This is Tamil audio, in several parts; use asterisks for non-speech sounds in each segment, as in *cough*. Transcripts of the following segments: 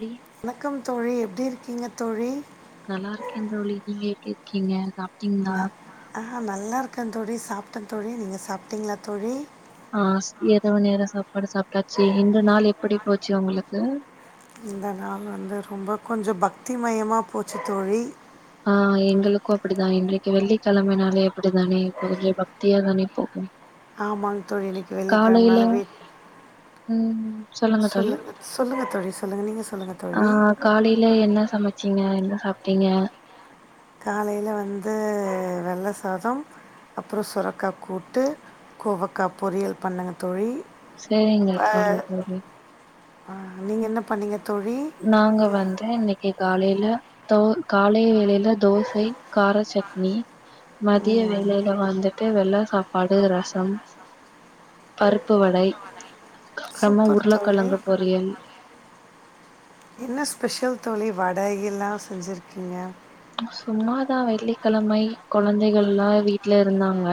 தோழி வணக்கம் தோழி எப்படி இரு க்கிங்க தோழி நல்லா இருக்கேன் தோழி நீங்க எப்டி இருக்கீங்க சாப் டிங்ளா ஆ நல்லாயிருக்கே தோழி சாப்டே தோழி நீங்க சாப்ட்டீங்ளா தோழி ஆ ச இரவு நேர சாப்பாடு சாப்ட்டாச்சு இன்று நாள் எப்புடி போச்சு உங்குளுக்கு இந்த நாள் வந்து ரொம்ப கொஞ்சோ பக்தி மயமா போச்சு தோழி ஆ எங்களுக்கு அப்படிதா இன்றைக்கு வெள்ளிக்கிழமைினாலே அப்படிதானே இப்ப கொஞ்சோ பக்தியா தானே போகு ஆமாங்க தோழி இன்னைக்கு காலையில வெள்ளிக்கிழமனால வீட் ம் சொல்லுங்க தோழி தோழி சொல்லுங்கள் நீங்கள் சொல்லுங்கள் ஆ தோழி காலையில என்ன சமைச்சீங்க என்ன சாப்ட்டீங்க காலையில வந்து வெள்ள சாதம் அப்புறோ சுரக்கா கூட்டு கோவக்கா பொரியல் பண்ணங்க தோழி சரிங்க தோழி ஆஹ் நீங்க என்ன பண்ணீங்க தோழி நாங்க வந்து இன்னைக்கு காலைல தோ காலை வேளைையில தோசை கார சட்னி மதிய ம் வேலை இன்னைக்கு வந்துட்டு வெள்ள சாப்பாடு ரசம் பருப்பு வடை அப்புறமா சூப்பர் தோழி உருளக்கிழங்கு பொறியல் என்ன ஸ்பெஷல் தோழி வடை எல்லா செஞ்சிருக்கீங்க சும்மாதா வெள்ளிக்கிழமை குழந்தைகள் எலா வீட்ல இருந்தாங்க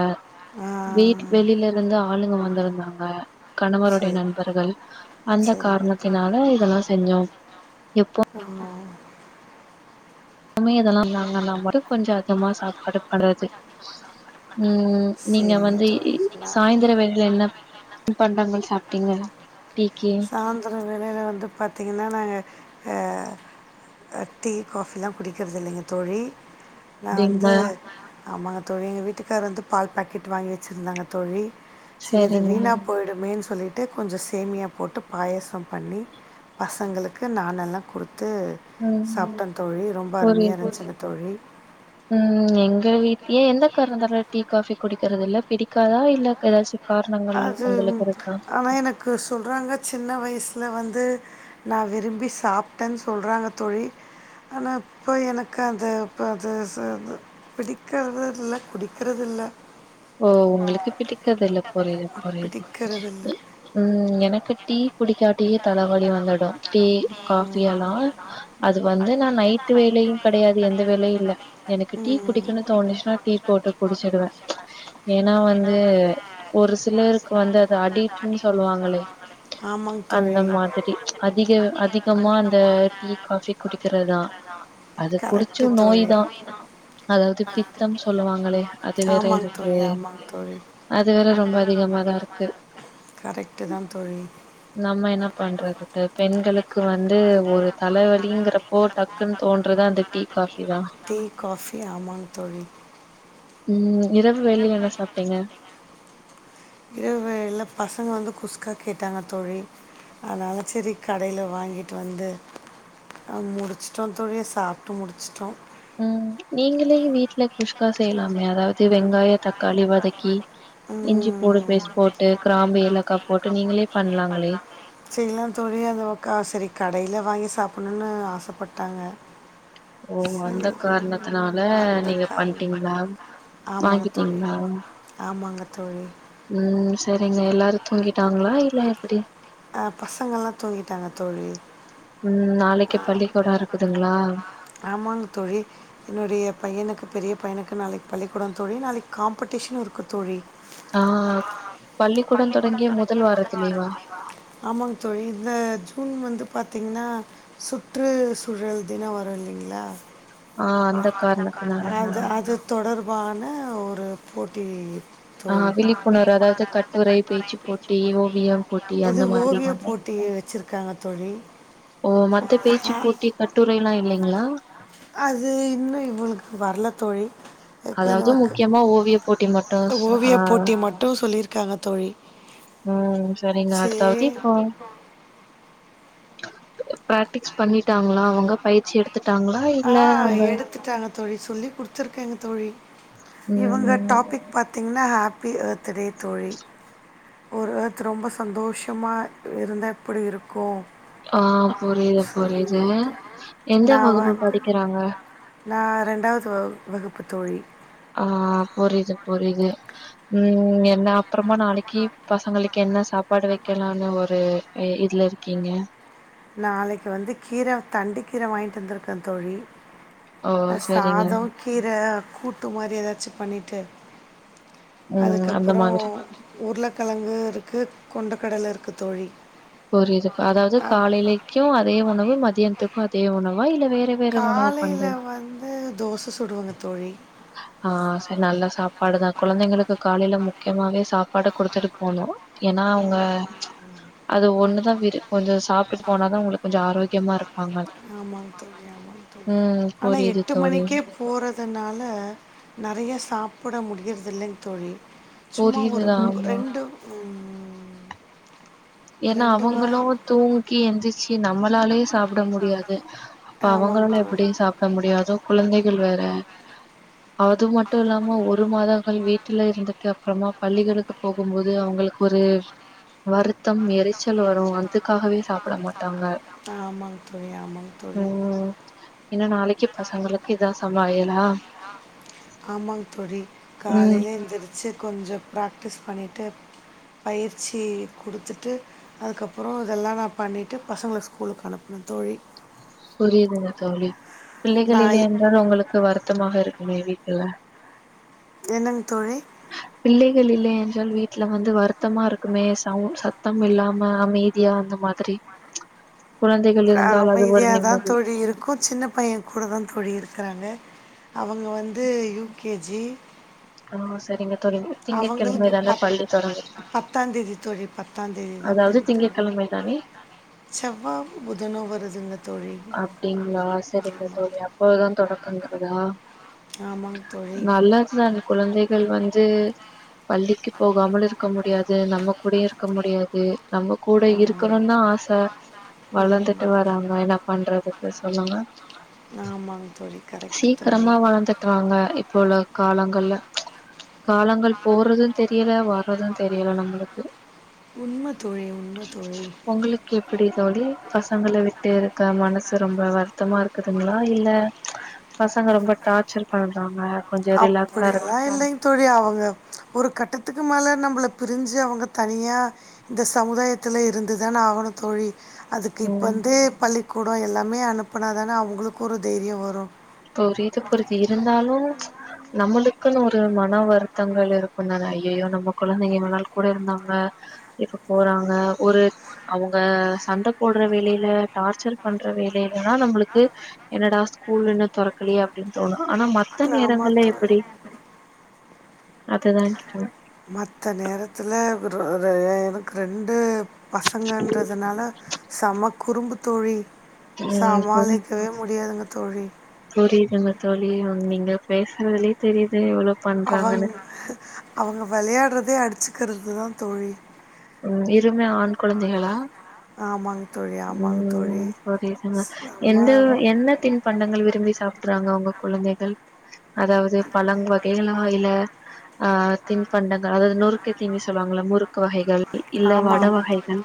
ஆ, வீட்டுக்கு வெளியில இருந்து ஆளுங்க வந்திருந்தாங்க கணவருடைய சரி நண்பர்கள் அந்த சரிங்க காரணத்தினால இதெல்லா செஞ்சோம் ஆமா எதுமே இதெல்லா நாங்கல்லா மட்டு கொஞ்சோ அதிகமா சாப்பாடு படுறது உம் நீங்க சரிங்க வந்து தோழி நான் சாயந்திர வேளையில *unintelligible* பண்டங்கள் சாப்பிட்டீங்க சாயந்திர வேளையில வந்து பாத்தீங்கன்னா நாங்க எ டீ காஃபி எல்லா குடிக்கிறது இல்லைங்க தோழி நா வந்து அப்டிங்களா ஆமாங்க தோழி எங்க வீட்டுக்கார் வந்து பால் பாக்கெட் வாங்கி வெச்சருந்தாங்க தோழி சிறது சரிங்க வீணா போயிடுமேனு சொ சொல்லிட்டு கொஞ்சோ சேமியா போட்டு பாயாசம் பண்ணி பசங்களுக்கு நானெல்லா குடு த்து ம் சாப்பிட்டோ தோழி ரொம்ப அருமையா புரியுது இருந்துச்சு தோழி ம் எங்க வீட் ஏ என்ன காரணத்தால டீ காஃபி குடிக்கறது இல்ல பிடிக்காதா இல்ல எதாச்சு அது ஆனா எனக்கு சொல்றாங்க சின்ன வயசு இதில் வந்து நா விரும்பி சாப்பிட்டனு சொல்றாங்க தோழி ஆனா இப்போ எனக்கு அது இப்போ அது பிடிக்கிறது இல்ல பிடிக்கிறது இல்ல ஓ உங்களுக்கு பிடிக்கிறது இல்ல புரியுது புரியுது பிடிக்கிறது இல்லை இ ம் எனக்கு க்கு டீ குடிகாட்டி தலைவலி வந்துடு டீ காஃபி எல்லா அது வந்து நா நைட் வேலையூ கிடையாது எந்த வேலையூ இல்ல எனக்கு டீ குடிக்கனுனூ தோணுச்சுன்னா டீ போட்டு குடிச்சிடுவ ஏனா வந்து ஒரு சிலருக்கு வந்து அது அடிக்ட்னு சொல்லுவாங்கில்லைங் ஆமாங்க தோழி அந்த மாதிரி ப்ச் அதிக அதிகமா அந்த டீ காஃபி குடிக்கிறதுதா அது கரெக்டு குடிச்சு பிடிச்ச தோழி நோய்தா அதாவது பித்தம் சொல்லுவாங்கில்லயா அது வேற ஆமாங்க இருக்கு தோழி ஆமாங் தோழி அது வேற ரொம்ப அதிகமாதான் இருக்கு கரெக்ட்டுதா தோழி நம்ம என்ன பண்றது பெண்களுக்கு வந்து ஒரு தலைவலிங்கிறப்போ டக்குனு தோன்றது அந்த டீ காஃபிதா டீ காஃபி ஆமாங்க தோழி ம் இரவ் வெளில என்ன சாப்ட்டீங்க இரவு எல்ல பசங்க வந்து குஸ்கா கேட்டாங்க தோழி அதனால செரி கடைல வாங்கிட்டு வந்து அ முடிச்சிட்டோ தோழி சாப்ட்டு முடிச்ட்டோ உம் நீங்களேவே வீட்ல குஷ் ம் வதக்கி இஞ்சி பூடு பேஸ்ட் போட்டு கிராம்பு ஏலக்காய் போட்டு நீங்களே பண்ணலாங்களே செய்லா தோழி அது வ க செரி கடைல வாங்கி சாப் பண்ணுண்ணு ஆசப்பட்டாங்க ஓ அந்தக் கார்ணத்துனால நீங்க பண்டீங் மேம் ஆமாங்க தோழி வாங்கிட்டீங்ளா ஆமாங்க தோழி உம் செரிங்க எல்லாரு தூங்கிட்டாங்ளா இல்ல எப்டி அஹ், பசங்கெல்லாம் தூங்கிட்டாங்க தோழி ஆம் பள்ளிக்கூடோ இருக்குதுங்களா ஆமாங்க தோழி என்னுடைய பையனுக்கு பெரியப் ப்ப எனக்கு நாளைக் பள்ளிக்கூடந் தோழி நாளைக் காம்ப்படிஷ்னு இருக்கு தோழி ஆ பள்ளிக்கூடோ தொடங்கிய முதல் வாரத்திலேவா ஆமாங் தோழி இந்த ஜூன் வந்துப் பாத்திங்ன்னா சுற்றுசூழல் தினொ வரு இல்லிங்ளா ஆஹ் அந்தக் காரணத்துனாலங்க து அது தொடர் வான ஒரு போட்டி ஆ தோழி விழிப்புணர்வு அதாவது கட்டுரை பேச்சு போட்டி ஓவியம் போட்டி இது அந்த ஓவியப் மாதிரிங்களா போட்டி வெச்சிருக்காங்ளா தொழி ஓ மத்த பேச்சு அ போட்டி கட்டுரைல்லா இல்லைங்களா அது இன்னு இவுளுக்கு வர்லத் தோழி அதாவ்து முக்கியமா ஓவிய போட்டி மட்டு ச ஆ ஓவிய போட்டி மட்டும் சொல்லியிருக்காங்க தோழி ம் சரிங்க அடுத்தாவதி சரி இப்போ பிராக்டிக்ஸ் பண்ணிட்டாங்ளா அவுங்க பயிற்சி எடுத் ஆ எடுத்துட்டாங்க தோழி சொல்லி குடுத்துருக்கேங்க தோழ் *unintelligible* இவங்க ம் டாபிக் பாத் திங்னா ஹேப்பி ஏத் த்துதே தோழி ஒரு வத் ரொம்ப ஸ் அந்தோஷமா இருந்தா எப்பிடி இருக்கூ ஆ புரியிது புரியிது எந்த வகுப்பு படிக் நா ரெண்டாவ்து வகு வகுப்பு தோழி ஆ ஆ புரிது புரிது ம் என்ன அப்பறமா நாளக்கி பசங்களுக்கு என்ன சாப்பாடு வெக்கலானு ஒரு இ இதுல இருக்கீங்க நாளைக்கு வந்து கீர தண்டு கீர வாய்ங்ட்டு வந்திருக்கே தொழி ஓ அ சரிங்க சாதோ கீர கூட்டு மாரி ஏதாச்சு பண்ணிட் ட்டு ம் அந்த அதுக்கப்புறம் மாதிரி உருளக்கிழங்கு இருக்கு கொண்ட கடல இருக்கு தோழி புரிதுப் அதாவது காலே இன்னைக்கும் அதே உணவு மதியத்து மதிய உணவா இல்ல வேற வேற உணவு காலையில பண்றேன் வந்து தோச சுடுவங்க தோழி ஆ சரி நல்ல சாப்பாடுதான் குழந்தைங்களுக்கு காலைல மு *unintelligible* சாப்பாடு கொடுத்துட்டு போணும் ஏன்னா அவங்க அது ஒண்ணுதா விரு கொஞ்சோ சாப்ட்டுட்டு போனாதா அவங்களுக்கு கொஞ்சோ ஆரோக்கியமா இருப்பாங்க ஆமாங்க தோழி ஆமாங்க தோழி ம் ஆனா புரியுது எட்டு தோழி மணிக்கே போறதுனால நிறை நிறையா சாப்பிட முடிகிறது இல்லைங்க தோழி சும்மா புரியுது ஒரு ரெண்டு ம்ம் *unintelligible* ஏன்னா வாய் அவங்களும் தூங்கி எந்திரிச்சு நம்மளாலே சாப்பிட முடியாது அப்ப ஆமாங்க இப்ப அவங்களா தோழி. எப்படி சாப்பிட முடியாதோ குழந்தைகள் வேற அது மட்டும் இல்லாம ஒரு மாதங்கள்வீட்டுல இருந்துட்டு அப்புறமா பள்ளிகளுக்கு போகும்போது அவங்களுக்கு ஒரு வருத் பித்தம் எரிச்சல் வரும் அதுக்காகவே சாப்ட மாட்டாங்க ஆமாங்க தோழி ஆமாங்க தோழி ம்ம் என்ன நாளைக் பக்கி பசங்களுக்கு இதான் சமாயலா காலையில எந்திரிச்சு கொஞ்சம் ப்ராக்டிஸ் பண்ணிட்டு பயிற்சி கொடுத்துட்டு அதுக்கப்புறம் இதெல்லாம் நான் பண்ணிட்டு பசங்கல ஸ்கூலுக்கு அனுப்பனும் தோழி புரிதுங்க தோழி பிள்ளைகள் நான் இல்லை என்றால் உங்களுக்கு வருத் சுத்தமாக இருக்குமே வீட்டுல என்னங்க தோழி பிள்ளைகள் இல்லையா உங்க வீட்டுல வந்து வருத்தமா இருக்குமே சவு சத்தம் இல்லாம அமைதியா அந்த மாதிரி குழந்தைகள் அ இருந்தால் அது ஒரு அமைதியா நிம் தான் தோழி இருக்கும் சின்ன பையன் கூட தான் தோழி இருக்கன் நாங்க அவங்க வந்து யூ கேஜி ஆ சரிங்க தோழி திங்கட்கிழமை அவங்களுக்கு தான பத் பள்ளி தொடங்குது பத்தாந்தேதி தோழி பத் பத்தாந்தேதி தான் அதாவது பள்ளித்தொ திங்கட்கிழமை தானே செவ்வா புதனோ வருதுங்க தோழி அப்டிங்களா சரிங்க தோழி அப்பதான் தொடக்கங்கிறதா ஆமாங்க தோழி நல்லதுதான் குழந்தைகள் வந்து பள்ளிக்கு போகாமல் இருக்க முடியாது நம்ம கூடயும் இருக்க முடியாது நம்ம கூட இருக்கணுந்தான் ஆச ம் வளர்ந்துட்டு வராங்க என்னா ப பண்றதுக்கு சொல்லுங்க ஆமாங்க தோழி கரெக்ட் தோழி சீக்கிரமா வளந்துடுறாங்க இப்ப உள்ள காலங்கள்ல காலங்கள் போறதும் தெரியல வர்றதும் தெரியல நம்மளுக்கு உண்ம தோழி உண்ம தோழி உங்களுக்கு எப்டி தோழி பசங்கள விட்டு இரு க்க மனசு ரொம்ப வருத்தமா இருக்குதுங்களா இல்ல பசங்க ரொம்ப டார்ச்சர் பண்றாங்க கொஞ்சோ ரிலாக்ஸா அப்டியல்லாம் இல்லைங்க தோழி அவுங்க ஒரு கட்டத்துக்கு கு மேல நம்மள பிரிஞ்சு அவங்க தனியா இந்த சமுதாயத்துல இருந்து தான ஆகணும் தோழி அதுக்கு இருக்கணு இப்பந்தே பள்ளி கூடோ எல்லாமே அனுப்புனா தான அவுங்களுக்கும் ஒரு தைரியம் வரும் புரிது புரிது இருந்தாலு ச் நம்மளுக்குனு ஒரு மன வருத்தங்கள் இருக்குந் தான ஐய்யய்யோ நம்ம கொழந்தைங்க இவ்ளோ நாள் கூட இருந்தாங்க இப்ப போறாங்க ஒரு அவுங்க சண்ட போடுற வேலையில டார்ச்சர் பண்ற வேலயிலேனா நம்மளுக்கு என்னடா ஸ்கூலுனு தொறக்கலையே அப்டினு தோணு ஆனா மத் மத்த ஆமா நேரங்கள்ல தோழி. எப்டி அதுதா *unintelligible* மத்த நேரத்துல ஒரு ரெ எனக்கு ரெண்டு பசங்கன்றதுனால செம குறும்புத் தோழி ம் புரி சமாளிக்கவே முடியாதுங்க தோழி புரியுதுங்க தோழி ஒங்க நீங்க பேசுறதுலே தெரியுது எவ்ளோ அவங் பண்றாங்கன்னு அவங்க விளையாடுறதே அடிச்சு ருக்கிறது தா தோ ழி ம் இருமே ஆண்குழந்தைகளா ஆமாங்க தோழி ஆமாங்க தோழி. ம் புரிதுங்க செம எந்த வ என்ன திண்பண்டங்கள் விரும்பி சாப்டுறாங்க உங்க குழந்தைகள் அதாவது பழம் வகைகளா இல்ல ஆ திண் பண்டங்கள் அதாது நொறுக்குத் தீனி சொல்வாங்கல்ல முறுக் கொகைகள் ஆமா ஆமா தோழி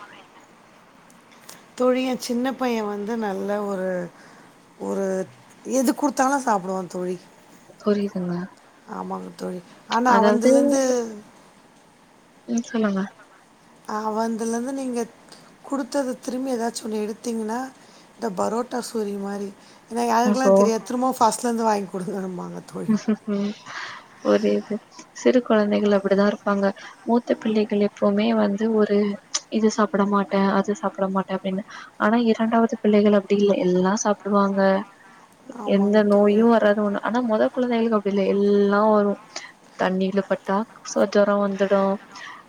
தோழி எ சின்ன பைய வ ந்து நல்ல ஒரு ஒரு எது கொடுத்தாலு சாப்டுவா தொழி புரியுதுங்க அமாங் தோழி ஆனா வந்துலந்து உம் சொல்லுங்க அவன்துலந்து நீங்க குடுத்தத திரும்பி ஏதாச்சு ஒன்ன எடுத்தீங்னா இந்த பரோட்டா சூரி மாரி என்னா யாருக்லா ஓஹோ! தெரியாத் திரும்பவு ஃப ஸ்ட்லந்து வாங்கி கொடுங்கணும்பாங் உம்ம் ஒரே இது சிரிப் கொழந்தைகள் அப்டிதா இருப்பாங்க மூத்த பிள்ளைகள் எப்போமே வந்து ஒரு இது சாப்ட மாட்டே அது சாப்ட மாட்டே அப்டினு ஆனா இரண்டாவது பிள்ளைகள் அப்டி இல்ல எல்லா சாப்டுவாங்க எந்த ஆமாங்க தோழி. நோயு வராது ஒண்ணு ஆனா மொத ங்க அப்டி இல்ல எல்லா வரு தண்ணில பட்டா சோ ஜொரோ வந்துடு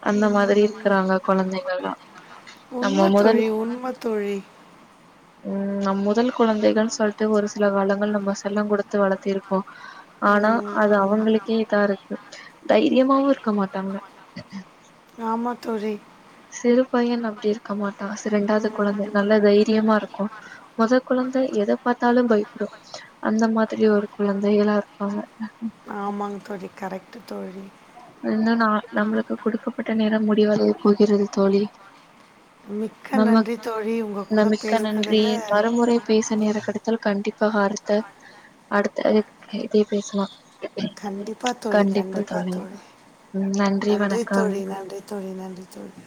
அந்த மாதிரி இருக்றாங்க கொழந்தைங்கள்லா நம்ம உண்ம மொதலு தோழி, உண்ம தோழி. ம் நம் மொதல் கொழந்தைகள் சொல்ட்டு ஒரு சில வள அவ்ங்கள் நம்ம செல்லங் குடுத்து வளத்திருப்போ ஆனா அது அவங்களுக்கே இதாருக்கு தைரியமாவு இருக்க மாட்டாங்க ஆமா தோழி. சிறு பையன் அப்டி இருக்க மாட்டா செரண்டாவது கொழந்த ம். நல்ல தைரியமா இருக்கு மொத கொழந்தை எத பார்த்தாலும் பயப்டு அந்த மாதிரி ஒரு குழந்தைகளா இருப்பாங்க. ஆமாங் தோழி கரெக்ட்டு தோழி இன்னு நா நம்ளுக்கு குடுக்கப்பட்ட நேரம் முடி *unintelligible* வரை போகிறது தோழி மிக்க நமக் நன்றி தோழி. உங்க ந கூட மிக்க நன்றி பேசுனதுல மறுமுறை பேச நேர கடைத்தால் கண்டிப் பகாரத்த அடுத்தது இதே பேசலா கண்டிப்பா தோழி கண்டிப்பா தோழி. நன்றி வணக்கம் *unintelligible* நன்றி தோழி